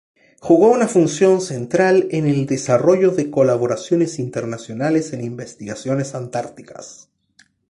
Jugó una función central en el desarrollo de colaboraciones internacionales en investigaciones antárticas.